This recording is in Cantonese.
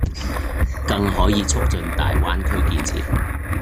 更可以促進大灣區建設